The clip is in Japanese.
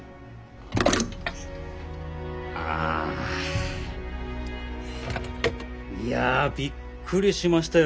ああ。いやびっくりしましたよ